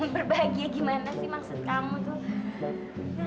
berbahagia gimana sih maksud kamu tuh